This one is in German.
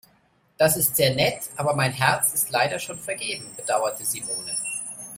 Das ist sehr nett, aber mein Herz ist leider schon vergeben, bedauerte Simone.